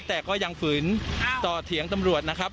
แต่ก็ยังฝืนต่อเถียงตำรวจนะครับ